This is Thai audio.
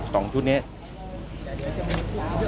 สองชุดนี้